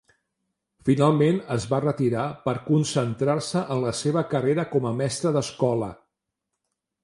Finalment, es va retirar per concentrar-se en la seva carrera com a mestre d'escola.